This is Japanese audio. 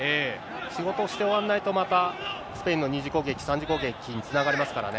仕事して終わんないと、また、スペインの２次攻撃、３次攻撃につながりますからね。